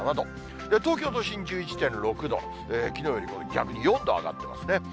東京都心１１．６度、きのうよりも逆に４度上がってますね。